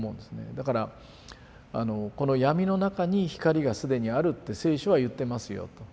だからこの闇の中に光が既にあるって聖書は言ってますよと。